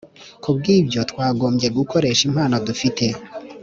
Ku bw’ibyo, twagombye gukoresha impano dufite